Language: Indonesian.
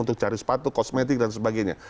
untuk cari sepatu kosmetik dan sebagainya